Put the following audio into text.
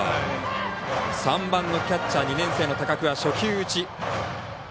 ３番のキャッチャー２年生の高久は初球打ち。